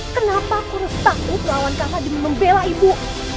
kenapa aku harus takut melawan kakak demi membela ibu